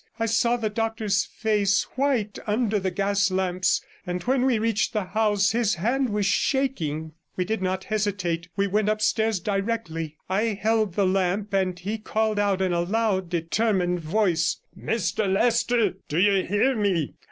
I saw the doctor's face white under the gas lamps, and when we reached the house his hand was shaking. We did not hesitate, but went upstairs directly. I held the lamp, and he called out in a loud, determined voice — 'Mr Leicester, do you hear me?